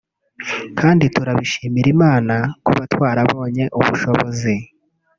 kandi turabishimira Imana kuba twarabonye ubushobozi